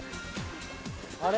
あれ？